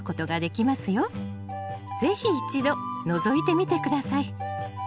是非一度のぞいてみて下さい。